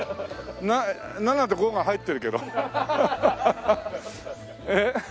７と５が入ってるけど。